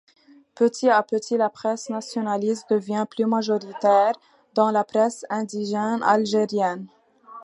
Petit à petit la presse nationaliste devient plus majoritaire dans la presse indigène algérienne.